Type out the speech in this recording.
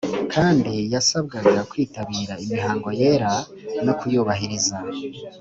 , kandi yasabwaga kwitabira imihango yera no kuyubahiriza.